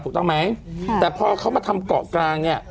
ถูกต้องไหมแต่พอเขามาทำเกาะกลางเนี่ย